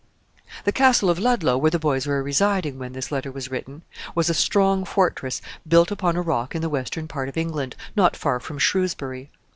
] The castle of Ludlow, where the boys were residing when this letter was written, was a strong fortress built upon a rock in the western part of England, not far from Shrewsbury.